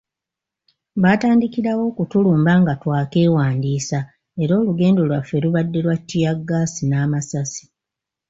Baatandikirawo okutulumba nga twakeewandiisa era olugendo lwaffe lubadde lwa ttiyaggaasi n'amasasi.